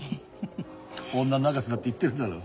女泣かせだって言ってるだろ。